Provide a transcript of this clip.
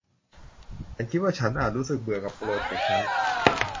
ฉันคิดว่าฉันอาจรู้สึกเบื่อกับโปรเจ็กต์นั้น